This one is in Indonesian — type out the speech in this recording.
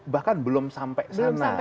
bahkan belum sampai sana